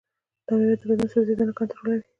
دا مېوه د بدن سوځیدنه کنټرولوي.